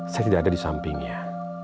saya tidak ada di sampingnya